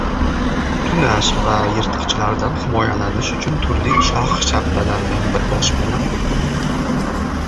Tunash va yirtqichlardan himoyalanish uchun turli shox-shabbalardan bir boshpana qurdi.